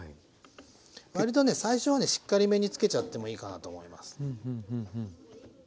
割とね最初はねしっかりめにつけちゃってもいいかなと思います。